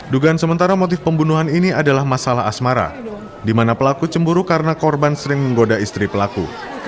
dugaan sementara motif pembunuhan ini adalah masalah asmara di mana pelaku cemburu karena korban sering menggoda istri pelaku